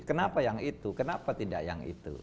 kenapa yang itu kenapa tidak yang itu